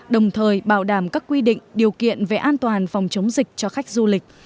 đồng thời bảo đảm các quy định điều kiện về an toàn phòng chống dịch cho khách du lịch